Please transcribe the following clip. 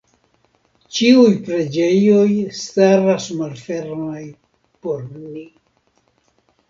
Ĉiuj preĝejoj staras malfermaj por ni.